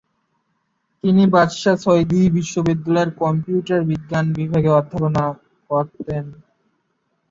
তিনি বাদশা সৌদ বিশ্ববিদ্যালয়ে কম্পিউটার বিজ্ঞান বিভাগে অধ্যাপনা করতেন।